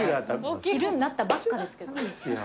昼になったばっかですけど。